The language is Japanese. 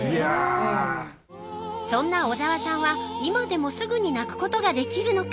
そんな小沢さんは、今でもすぐに泣くことができるのか？